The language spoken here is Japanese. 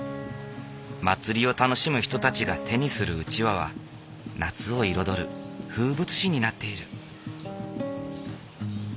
祭りを楽しむ人たちが手にするうちわは夏を彩る風物詩になっている。